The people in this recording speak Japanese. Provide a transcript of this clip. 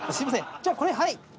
じゃあこれはい。